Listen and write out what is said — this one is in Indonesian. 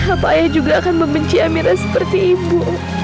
apa ayah juga akan membenci amira seperti ibu